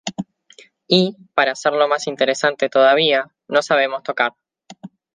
Y, para hacerlo más interesante todavía, no sabemos tocar.